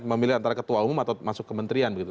memilih antara ketua umum atau masuk kementerian begitu